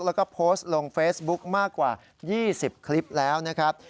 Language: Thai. แล้วก็โพสต์ลงเฟซบุ๊คมากกว่า๒๐คลิปแล้วนะครับ